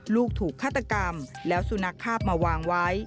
ลูกถูกฆาตกรรมแล้วสุนัขคาบมาวางไว้